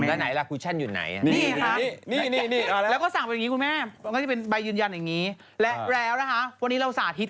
โอ้โหแม่มดโอ้โหน่ากลัวนะแม่มดมีเสกอะไรได้บ้างเนี่ย